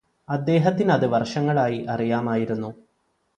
അദ്ദേഹത്തിനത് വര്ഷങ്ങളായി അറിയാമായിരുന്നു